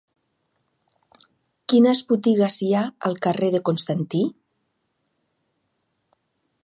Quines botigues hi ha al carrer de Constantí?